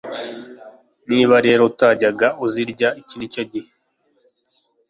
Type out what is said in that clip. Niba rero utajyaga uzirya, iki ni cyo gihe.